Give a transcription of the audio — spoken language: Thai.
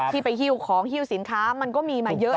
ที่ไปหิ้วของหิ้วสินค้ามันก็มีมาเยอะ